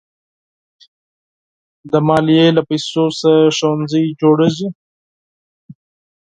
د مالیې له پیسو څخه ښوونځي جوړېږي.